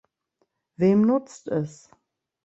Wem nutzt es?